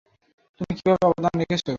তুমি কীভাবে অবদান রেখেছ?